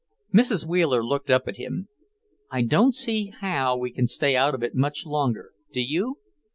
Mrs. Wheeler looked up at him. "I don't see how we can stay out of it much longer, do you?